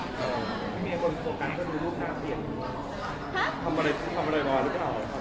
มีมีคนโสกกันก็ดูรูปน่าเปลี่ยนฮะทำอะไรกันเหรอครับ